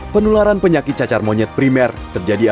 penularan penyakit cacar monyet primer terjadi akhirnya di indonesia